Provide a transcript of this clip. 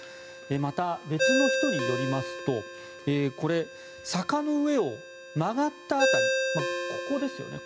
また、別の人によりますとこれ、坂の上を曲がった辺りここですよね。